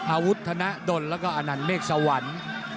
อาวุธธนดลแล้วก็อนันเมฆสวรรค์